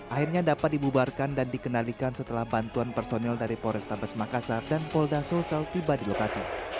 akhirnya dapat dibubarkan dan dikendalikan setelah bantuan personil dari porestabes makassar dan polda sulsel tiba di lokasi